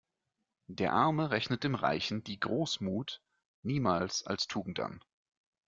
Der Arme rechnet dem Reichen die Großmut niemals als Tugend an.